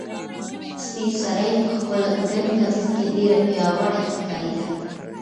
سپین سرې په خپل ګڼ کمیس کې ډېره پیاوړې ښکارېده.